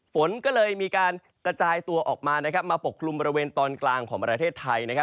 ฝนก็เลยมีการกระจายตัวออกมามาปกคลุมบริเวณตอนกลางของประเทศไทย